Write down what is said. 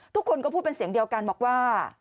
ทุกคนก็พูดเป็นเสียงเดียวกันบอกว่า